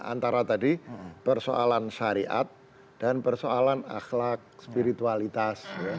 antara tadi persoalan syariat dan persoalan akhlak spiritualitas